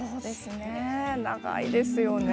長いですよね。